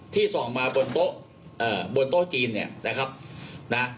ส่องมาบนโต๊ะบนโต๊ะจีนเนี่ยนะครับนะ